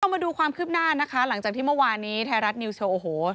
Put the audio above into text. มาดูความคืบหน้านะคะหลังจากที่เมื่อวานนี้ไทยรัฐนิวสโชว์โอ้โห